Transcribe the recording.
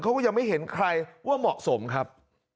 เขาก็ยังไม่เห็นใครว่าเหมาะสมครับ